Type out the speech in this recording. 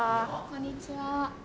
こんにちは。